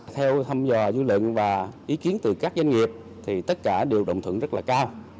theo tham dò dư luận và ý kiến từ các doanh nghiệp thì tất cả đều đồng thuận rất là cao